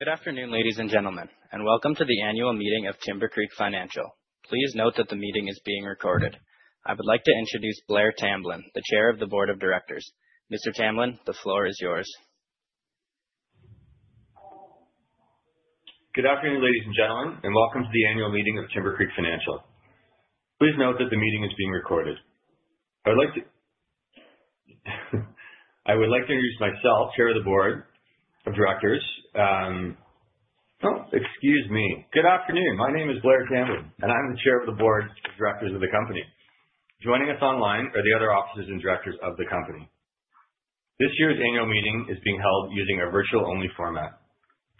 Good afternoon, ladies and gentlemen, and welcome to the annual meeting of Timbercreek Financial. Please note that the meeting is being recorded. I would like to introduce Blair Tamblyn, the Chair of the board of directors. Mr. Tamblyn, the floor is yours. Good afternoon, ladies and gentlemen, and welcome to the annual meeting of Timbercreek Financial. Please note that the meeting is being recorded. I would like to introduce myself, chair of the board of directors. Oh, excuse me. Good afternoon. My name is Blair Tamblyn, and I'm the chair of the board of directors of the company. Joining us online are the other officers and directors of the company. This year's annual meeting is being held using a virtual-only format.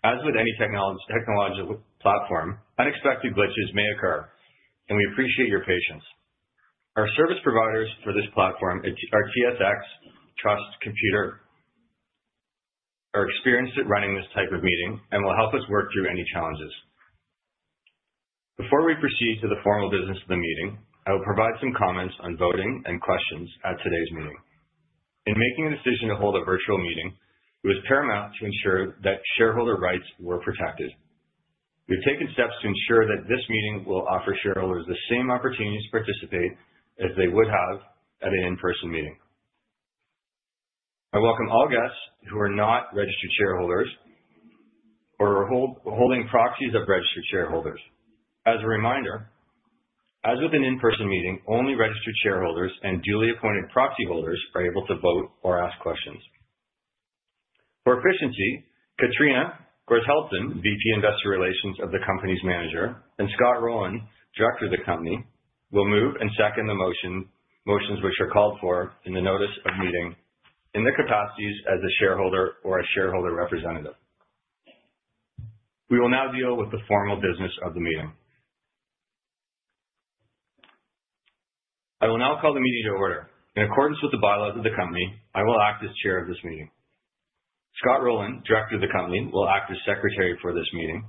As with any technological platform, unexpected glitches may occur, and we appreciate your patience. Our service providers for this platform is are TSX Trust Company, are experienced at running this type of meeting and will help us work through any challenges. Before we proceed to the formal business of the meeting, I will provide some comments on voting and questions at today's meeting. In making a decision to hold a virtual meeting, it was paramount to ensure that shareholder rights were protected. We've taken steps to ensure that this meeting will offer shareholders the same opportunity to participate as they would have at an in-person meeting. I welcome all guests who are not registered shareholders or are holding proxies of registered shareholders. As a reminder, as with an in-person meeting, only registered shareholders and duly appointed proxy holders are able to vote or ask questions. For efficiency, Kateryna Gorzheltson, VP, Investor Relations of the company's manager, and Scott Rowland, director of the company, will move and second the motion, motions which are called for in the notice of meeting in their capacities as a shareholder or a shareholder representative. We will now deal with the formal business of the meeting. I will now call the meeting to order. In accordance with the bylaws of the company, I will act as chair of this meeting. Scott Rowland, director of the company, will act as secretary for this meeting,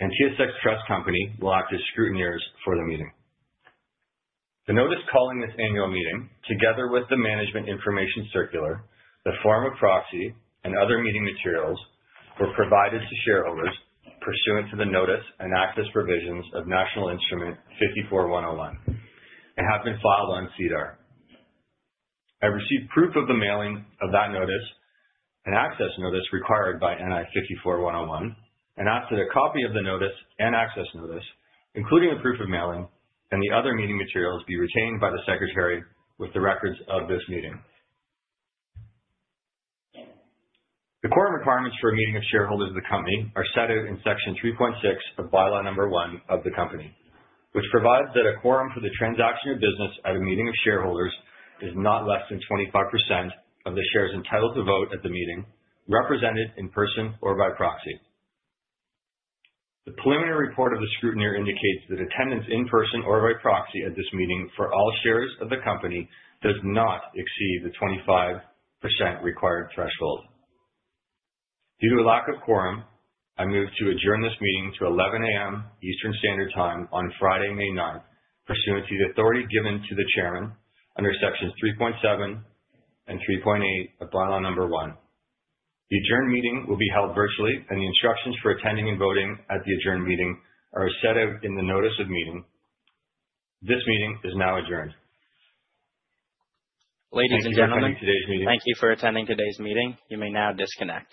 and TSX Trust Company will act as scrutineers for the meeting. The notice calling this annual meeting, together with the management information circular, the form of proxy, and other meeting materials, were provided to shareholders pursuant to the notice and access provisions of National Instrument 54-101, and have been filed on SEDAR. I received proof of the mailing of that notice and access notice required by NI 54-101. After the copy of the notice and access notice, including the proof of mailing and the other meeting materials, be retained by the secretary with the records of this meeting. The quorum requirements for a meeting of shareholders of the company are set out in Section 3.6 of By-law Number One of the company, which provides that a quorum for the transaction of business at a meeting of shareholders is not less than 25% of the shares entitled to vote at the meeting, represented in person or by proxy. The preliminary report of the scrutineer indicates that attendance in person or by proxy at this meeting, for all shares of the company, does not exceed the 25% required threshold. Due to a lack of quorum, I move to adjourn this meeting to 11:00 A.M. Eastern Standard Time on Friday, May 9th, pursuant to the authority given to the chairman under sections 3.7 and 3.8 of By-law Number One. The adjourned meeting will be held virtually, and the instructions for attending and voting at the adjourned meeting are set out in the notice of meeting. This meeting is now adjourned. Ladies and gentlemen- Thank you for attending today's meeting. Thank you for attending today's meeting. You may now disconnect.